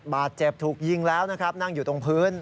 บาดเจ็บถูกยิงแล้วนะครับนั่งอยู่ตรงพื้น